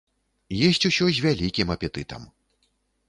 Есць усё з вялікім апетытам.